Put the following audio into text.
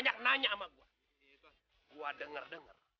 y divertah dance